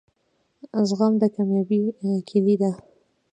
زغم دکامیابۍ کیلي ده